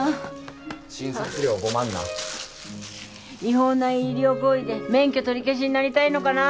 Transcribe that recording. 違法な医療行為で免許取り消しになりたいのかな？